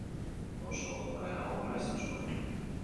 Oso jokaera gogorra izan zuen.